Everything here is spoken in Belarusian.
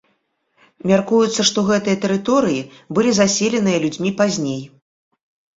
Мяркуецца, што гэтыя тэрыторыі былі заселеныя людзьмі пазней.